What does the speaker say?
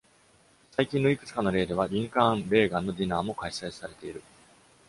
最近のいくつかの例では、リンカーン・レーガンのディナーも開催されている。